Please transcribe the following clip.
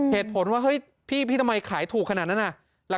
เหตุผลว่าเฮ้ยพี่ทำไมขายถูกขนาดนั้นน่ะ